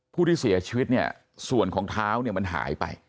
ผู้ที่เสียชีวิตเนี่ยส่วนของเท้าเนี่ยมันหายไป